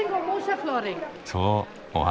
そうお花。